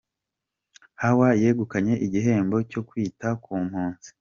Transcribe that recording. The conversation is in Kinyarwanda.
Hawa yegukanye igihembo cyo kwita ku mpunzi